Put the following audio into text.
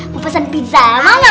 mau pesen pizza mau gak